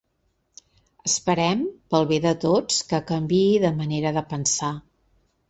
Esperem, pel bé de tots, que canviï de manera de pensar.